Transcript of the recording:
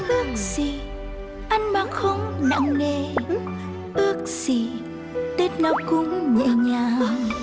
ước gì ăn bánh không nặng nề ước gì tết nào cũng nhẹ nhàng